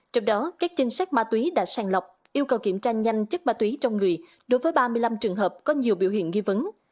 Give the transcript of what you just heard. trong đó các chính sách ma túy đã sàn lọc yêu cầu kiểm tra nhanh chất ma túy trong người đối với ba mươi năm trường hợp có nhiều biểu hiện nghi vấn